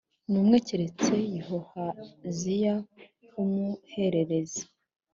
n umwe keretse Yehohahaziya w umuhererezi